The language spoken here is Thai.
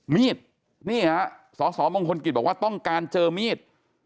มีดนี่ฮะสสมงคลกิจบอกว่าต้องการเจอมีด